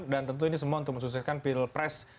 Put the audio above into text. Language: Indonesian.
dan tentu ini semua untuk memperkuatkan pil pres